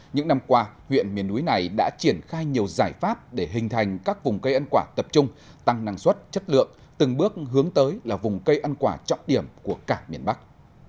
những năm qua huyện miền núi này đã triển khai nhiều giải pháp để hình thành các vùng cây ăn quả tập trung tăng năng suất chất lượng từng bước hướng tới là vùng cây ăn quả trọng điểm của cả miền bắc